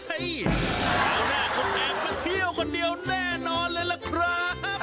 คราวหน้าคงแอบมาเที่ยวคนเดียวแน่นอนเลยล่ะครับ